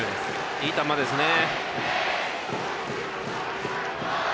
いい球ですね。